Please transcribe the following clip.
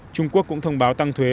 trung quốc cũng thông báo tăng thuế